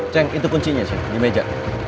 ceng itu kuncinya sih di meja